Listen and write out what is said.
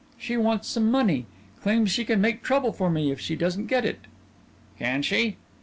She wants some money; claims she can make trouble for me if she doesn't get it." "Can she?"